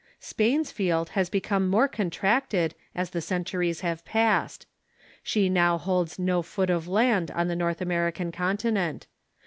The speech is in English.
Spain's field has become more contracted as the centuries have passed. She now holds no foot of land on the North American continent.